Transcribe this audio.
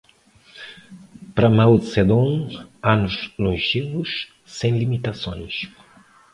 Para Mao Zedong, anos longevos sem limitações